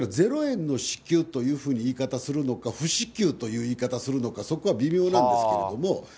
ですから０円の支給というふうに、言い方するのか、不支給という言い方をするのか、そこは微妙なんですけども。